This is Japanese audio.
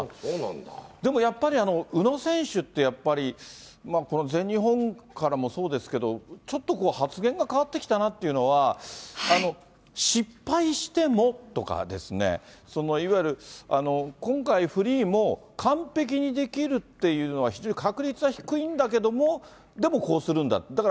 でもやっぱり宇野選手って、やっぱり、この全日本からもそうですけど、ちょっと発言が変わってきたなっていうのは、失敗してもとかですね、そのいわゆる、今回、フリーも完璧にできるっていうのは、非常に確率は低いんだけど、でもこうするんだって。